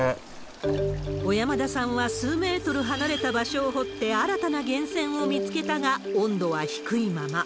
小山田さんは数メートル離れた場所を掘って、新たな源泉を見つけたが、温度は低いまま。